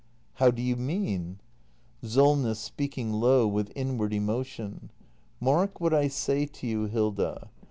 How do you mean ? SOLNESS. [Speaking low, with inward emotion.] Mark what I say to you, Hilda.